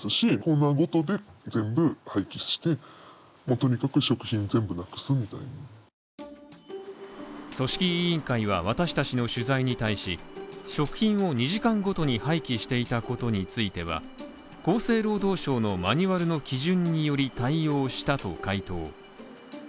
それは最終日にも起きていたという組織委員会は私達の取材に対し、食品を２時間ごとに廃棄していたことについては、厚生労働省のマニュアルの基準により対応したと回答。